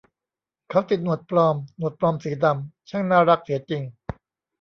เขาติดหนวดปลอม หนวดปลอมสีดำ ช่างน่ารักเสียจริง